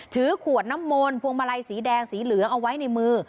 ถือขวดน้ำมนพวงมาลัยสีแดงสีเหลืองเอาไว้ในมือ